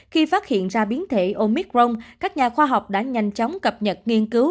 khi phát hiện ra biến thể omicron các nhà khoa học đã nhanh chóng cập nhật nghiên cứu